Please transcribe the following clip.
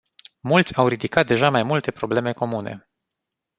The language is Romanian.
Mulți au ridicat deja mai multe probleme comune.